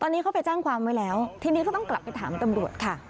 ตอนนี้เขาไปแจ้งความไว้แล้วทีนี้ก็ต้องกลับไปถามตำรวจค่ะ